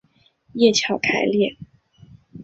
叶鞘开裂。